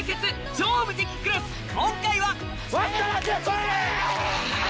『超無敵クラス』今回はア！